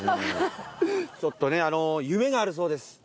ちょっとね夢があるそうです。